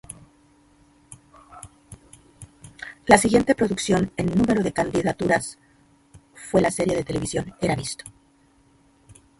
La siguiente producción en número de candidaturas fue la serie de televisión "Era visto!